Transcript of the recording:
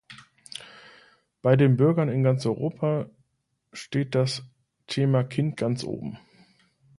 Bei den Bürgern in ganz Europa steht das Thema Kind ganz oben.